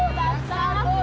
ada cakapan aja